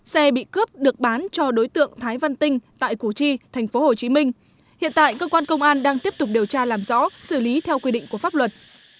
xe bị cướp được bán cho đối tượng thái văn tinh tại củ chi tp hcm hiện tại cơ quan công an đang tiếp tục điều tra làm rõ xử lý theo quy định của pháp luật